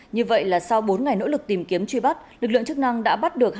như vậy là sau bốn ngày nỗ lực tìm kiếm truy bắt lực lượng chức năng đã bắt được